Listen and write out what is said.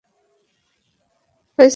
By, মা!